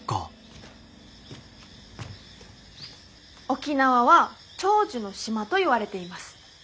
沖縄は長寿の島といわれています。